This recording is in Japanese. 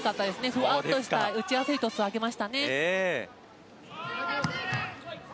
ふわっとした、打ちやすいトスを上げましたね。